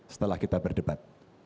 setelah kita berdebat